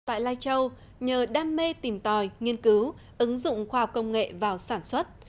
tại lai châu nhờ đam mê tìm tòi nghiên cứu ứng dụng khoa học công nghệ vào sản xuất